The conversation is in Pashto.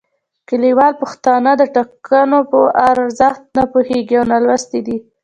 کلیوال پښتانه د ټاکنو په ارزښت نه پوهیږي او نالوستي دي